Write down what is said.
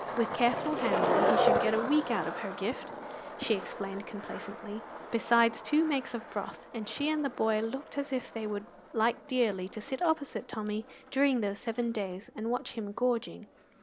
With careful handling he should get a week out of her gift, she explained complacently, besides two makes of broth; and she and the boy looked as if they would like dearly to sit opposite Tommy during those seven days and watch him gorging.